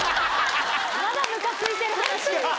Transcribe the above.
まだむかついてる話。